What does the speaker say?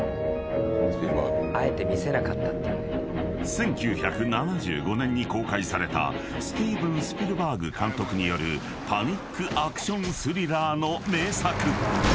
［１９７５年に公開されたスティーヴン・スピルバーグ監督によるパニックアクションスリラーの名作］